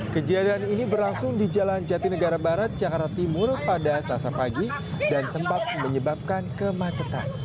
kejadian ini berlangsung di jalan jatinegara barat jakarta timur pada selasa pagi dan sempat menyebabkan kemacetan